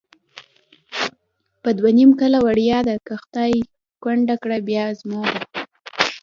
په دوه نیم کله وړیا ده، که خدای کونډه کړه بیا زما ده